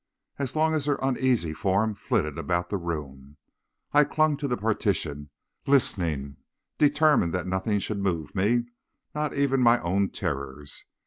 As long as her uneasy form flitted about the room, I clung to the partition, listening, determined that nothing should move me not even my own terrors.